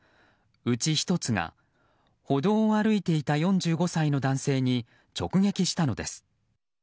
うち１つが、歩道を歩いていた４５歳の男性に直撃したのです。